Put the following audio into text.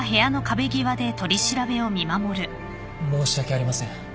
申し訳ありません。